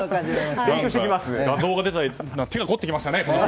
画像が出るなんて手が凝ってきましたね。